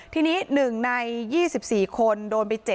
ที่นี้หนึ่งในยี่ห้ามเราก็เป็นสิ่งที่จะบอก